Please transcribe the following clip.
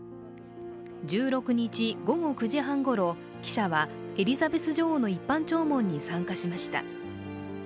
１６日午後９時半ごろ記者はエリザベス女王の一般弔問に参加しました。